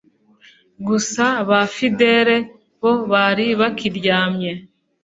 gusa ba fidele bo bari bakiryamye